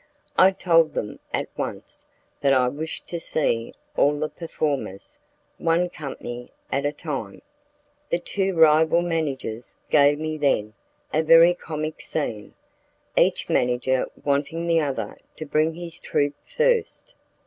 I told them at once that I wished to see all the performers, one company at a time. The two rival managers gave me then a very comic scene, each manager wanting the other to bring his troupe first.